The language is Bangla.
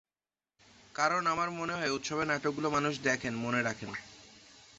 কারণ, আমার মনে হয় উৎসবের নাটকগুলো মানুষ দেখেন, মনে রাখেন।